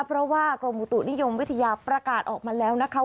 เพราะว่ากรมอุตุนิยมวิทยาประกาศออกมาแล้วนะคะ